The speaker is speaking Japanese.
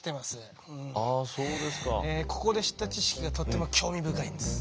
ここで知った知識がとっても興味深いんです。